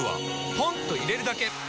ポンと入れるだけ！